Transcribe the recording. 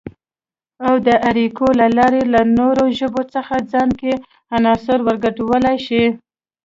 او د اړیکو له لارې له نورو ژبو څخه ځان کې عناصر ورګډولای شي